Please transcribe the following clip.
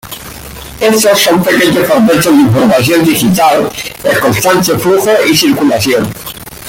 Estos son pequeños fragmentos de información digital en constante flujo y circulación.